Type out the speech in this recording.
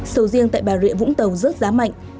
sầu riêng tại bà rịa vũng tàu rớt giá mạnh